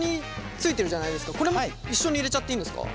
これも一緒に入れちゃっていいんですか？